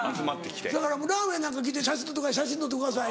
せやからラーメンなんか来て「写真撮ってください」